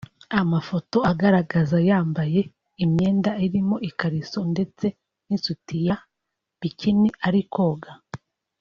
amafoto agaragaza yambaye imyenda irimo Ikariso ndetse n’ isutiya (Bikini ) ari koga